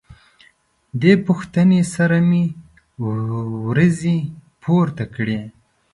دې پوښتنې سره مې وروځې پورته کړې.